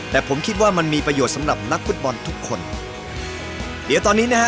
แต่ผมคิดว่ามันมีประโยชน์สำหรับนักฟุตบอลทุกคนเดี๋ยวตอนนี้นะฮะ